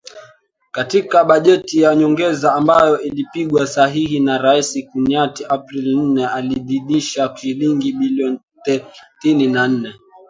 Katika bajeti ya nyongeza ambayo ilipigwa sahihi na Rais Kenyatta Aprili nne, aliidhinisha shilingi bilioni thelathini na nne.